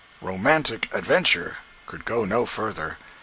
jpg (15K) "Romantic adventure" could go no further.